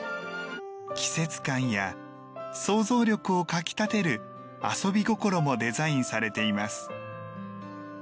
季節感や、想像力をかきたてる遊び心もデザインされています。